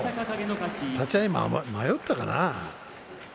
立ち合い迷ったかな。